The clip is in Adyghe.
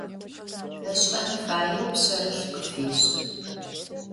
Iş'en faêu pşserılh khıfêş'ı.